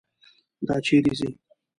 دا چیرې ځي.